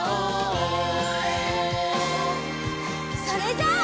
それじゃあ。